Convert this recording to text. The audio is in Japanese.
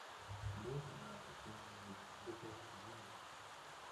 どうかな、と君は言い、僕は君を見る